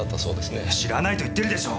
知らないと言ってるでしょう。